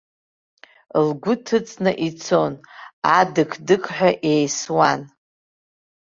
Лгәы ҭыҵны ицон, адық-дықҳәа еисуан.